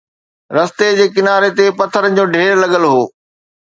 رستي جي ڪناري تي پٿرن جو ڍير لڳل هو